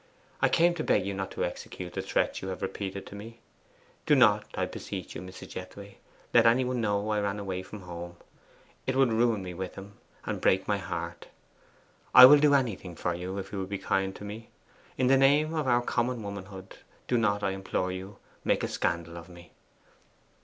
I came to beg you not to execute the threats you have repeated to me. Do not, I beseech you, Mrs. Jethway, let any one know I ran away from home! It would ruin me with him, and break my heart. I will do anything for you, if you will be kind to me. In the name of our common womanhood, do not, I implore you, make a scandal of me.